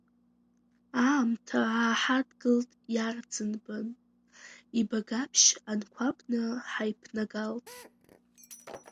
Аамҭа ааҳадгылт иарӡынбан, ибагаԥшь-анқәабны ҳаиԥнагалт.